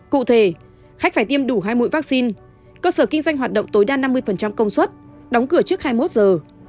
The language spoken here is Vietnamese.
cụ thể khách phải tiêm đủ hai mũi vaccine cơ sở kinh doanh hoạt động tối đa năm mươi công suất đóng cửa trước hai mươi một giờ